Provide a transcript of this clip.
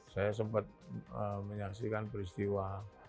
saya sempat menyaksikan peristiwa